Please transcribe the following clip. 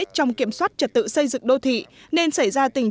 trong kiểm soát trật tự xây dựng